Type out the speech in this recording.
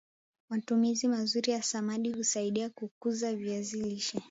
matumizi mazuri ya samadi husaidia kukuza viazi lishe